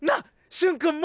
瞬くんも！